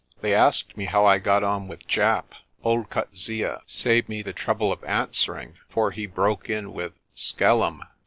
They asked me how I got on with Japp. Old Coetzee saved me the trouble of answering, for he broke in with Skellum!